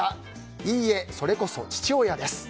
いいえそれこそ父親です」。